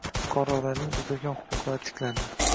Fuqarolarning buzilgan huquqlari tiklanding